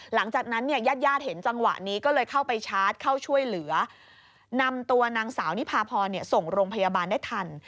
หลังจากนั้นเนี่ยญาติญาติเห็นจังหวะนี้ก็เลยเข้าไปชาร์จเข้าช่วยเหลือนำตัวนางสาวนิพาพรส่งโรงพยาบาลได้ทัน